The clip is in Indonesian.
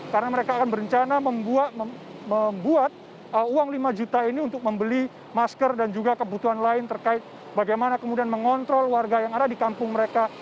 karena mereka akan berencana membuat uang lima juta ini untuk membeli masker dan juga kebutuhan lain terkait bagaimana kemudian mengontrol warga yang ada di kampung mereka